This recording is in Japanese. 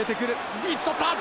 リーチとった。